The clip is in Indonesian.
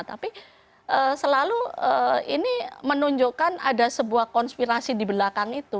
tapi selalu ini menunjukkan ada sebuah konspirasi di belakang itu